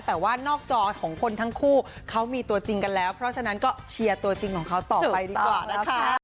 แต่ว่านอกจอของคนทั้งคู่เขามีตัวจริงกันแล้วเพราะฉะนั้นก็เชียร์ตัวจริงของเขาต่อไปดีกว่านะคะ